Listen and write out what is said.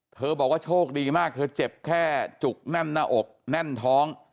บอกว่าโชคดีมากเธอเจ็บแค่จุกแน่นหน้าอกแน่นท้อง